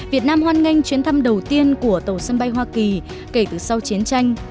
việt nam hoan nghênh chuyến thăm đầu tiên của tàu sân bay hoa kỳ kể từ sau chiến tranh